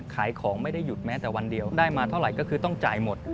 ขายของไม่ได้หยุดแม้แต่วันเดียวได้มาเท่าไหร่ก็คือต้องจ่ายหมด